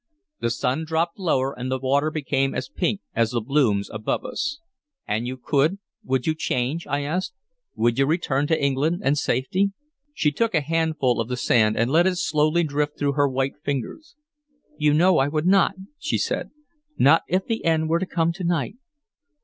The sun dropped lower, and the water became as pink as the blooms above us. "An you could, would you change?" I asked. "Would you return to England and safety?" She took a handful of the sand and let it slowly drift through her white fingers. "You know that I would not," she said; "not if the end were to come to night.